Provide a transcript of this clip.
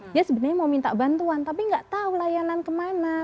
dia sebenarnya mau minta bantuan tapi nggak tahu layanan kemana